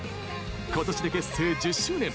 ことしで結成１０周年。